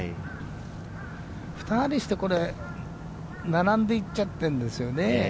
２人してこれ、並んでいっちゃってるんですよね。